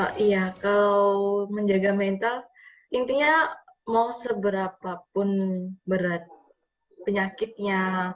iya kalau menjaga mental intinya mau seberapapun berat penyakitnya